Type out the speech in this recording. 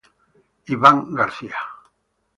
Iván García